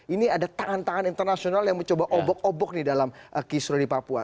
ini ada tangan tangan internasional yang mencoba obok obok di dalam kisru di papua